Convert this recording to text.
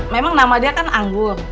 memang nama dia kan anggur